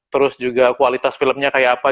terus juga kualitas filmnya kayak apa